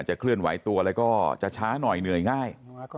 เคลื่อนไหวตัวแล้วก็จะช้าหน่อยเหนื่อยง่าย